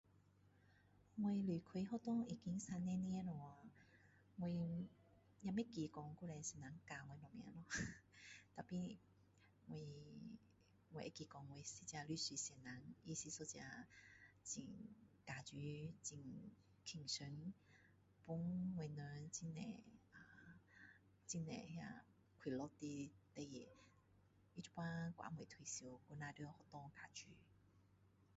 我离开学堂已经三十年了，我也不记得说旧时老师教我什么了 har。但是我，我会记得讲我的一个历史老师，他是一个，很，教书很轻松。给我们很多 ahh，很多那快乐的事情。他现在还没有退休，还在学校教书。